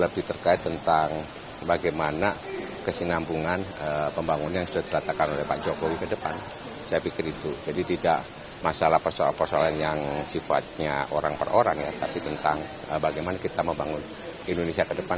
bagaimana kejadian indonesia ke depan